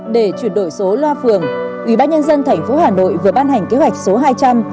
để chuyển đổi số loa phường ủy ban dân thành phố hà nội vừa ban hành kế hoạch số hai trăm linh